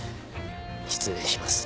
失礼します。